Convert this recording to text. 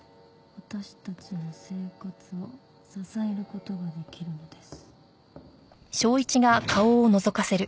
私たちの生活を支える事ができるのです。